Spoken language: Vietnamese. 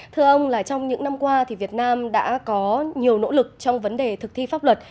thưa ông là trong những năm qua thì việt nam đã có nhiều nỗ lực trong vấn đề thực thi pháp luật